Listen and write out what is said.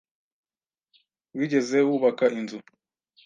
Wigeze wubaka inzu?